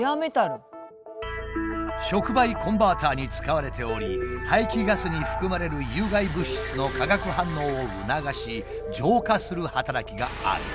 触媒コンバーターに使われており排気ガスに含まれる有害物質の化学反応を促し浄化する働きがある。